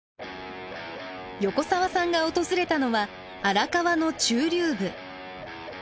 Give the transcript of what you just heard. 横澤さんが訪れたのは荒川の中流部。